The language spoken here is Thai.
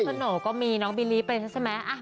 สโหน่ก็มีน้องบิลลี่เป็นใช่ไหม